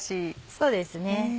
そうですね。